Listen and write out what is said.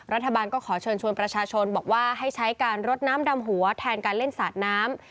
รัฐบาลก็ขอเชิญชวนประชาชนบอกว่าให้ใช้การรดน้ำดำหัวแทนการเล่นสาดน้ำ